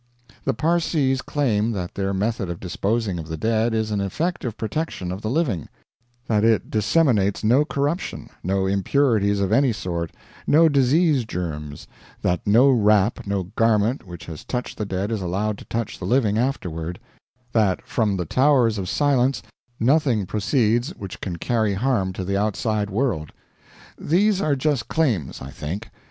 The Parsees claim that their method of disposing of the dead is an effective protection of the living; that it disseminates no corruption, no impurities of any sort, no disease germs; that no wrap, no garment which has touched the dead is allowed to touch the living afterward; that from the Towers of Silence nothing proceeds which can carry harm to the outside world. These are just claims, I think.